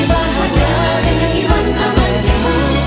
bahagia dengan iman aman imun